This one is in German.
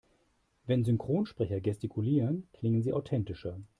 Wenn Synchronsprecher gestikulieren, klingen sie authentischer.